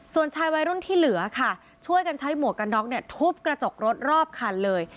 ส่วนชายวัยรุ่นที่เหลือค่ะช่วยกันใช้หมวกกันน็อกเนี่ยทุบกระจกรถรอบคันเลย